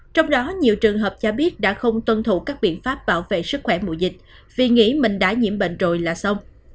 trong đó nhiều trường hợp cho biết đã không tuân thủ các biện pháp bảo vệ sức khỏe mùa dịch vì nghĩ mình đã nhiễm bệnh rồi là xong